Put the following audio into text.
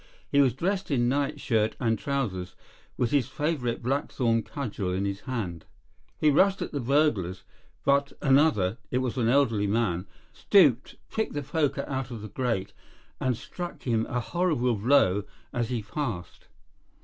He was dressed in nightshirt and trousers, with his favourite blackthorn cudgel in his hand. He rushed at the burglars, but another—it was an elderly man—stooped, picked the poker out of the grate and struck him a horrible blow as he passed.